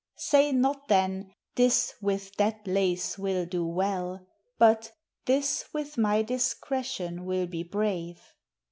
Say not then, This with that lace will do well; But, This with my discretion will be brave.